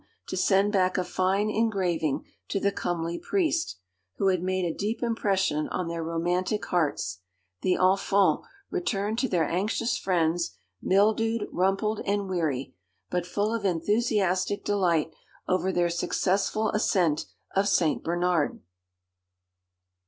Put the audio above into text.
to send back a fine engraving to the comely priest, who had made a deep impression on their romantic hearts, the enfants returned to their anxious friends, mildewed, rumpled, and weary, but full of enthusiastic delight over their successful ascent of St. Bernard.